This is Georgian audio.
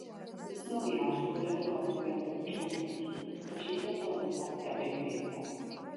უცნობია, არსებობდა თუ არა რეალურად ჯონ ჰენრი და შედგა თუ არა მსგავსი დაპირისპირება.